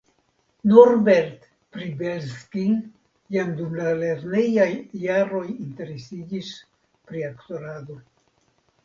Norbert Pribelszki jam dum la lernejaj jaroj interesiĝis pri aktorado.